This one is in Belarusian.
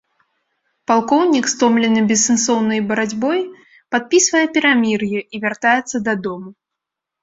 Палкоўнік, стомлены бессэнсоўнай барацьбой, падпісвае перамір'е і вяртаецца дадому.